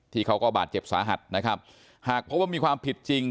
เขาก็บาดเจ็บสาหัสนะครับหากพบว่ามีความผิดจริง